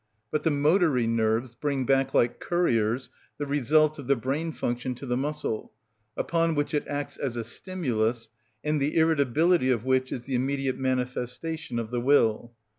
But the motory nerves bring back, like couriers, the result of the brain function to the muscle, upon which it acts as a stimulus, and the irritability of which is the immediate manifestation of the will.